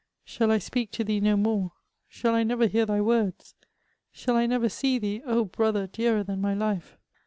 *' Shall I speak to thee no more ? Shall I never hear thy words ? Shall I never see thee, oh! brother dearer than my life